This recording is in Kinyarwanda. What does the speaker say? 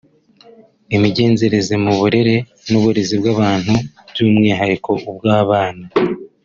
imigenzereze mu burere n’uburezi bw’abantu by’umwihariko ubw’abana